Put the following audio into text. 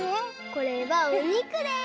これはおにくです！